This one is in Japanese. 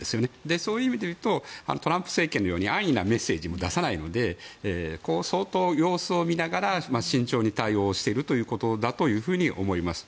そういう意味でいうとトランプ政権のように安易なメッセージも出さないので相当、様子を見ながら慎重に対応しているということだと思います。